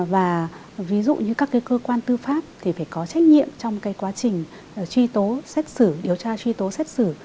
và ví dụ như các cái cơ quan tư pháp thì phải có trách nhiệm trong cái quá trình truy tố xét xử điều tra truy tố xét xử